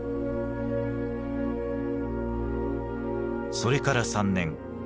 それから３年。